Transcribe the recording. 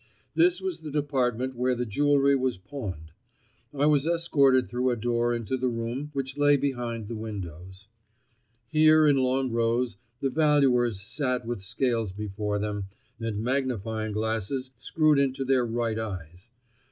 This was the department where the jewelry was pawned. I was escorted through a door into the room which lay behind the windows. Here in long rows the valuers sat with scales before them, and magnifying glasses screwed into their right eyes.